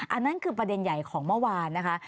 อันนั้นคือประเด็นใหญ่ของเมื่อวานนะคะ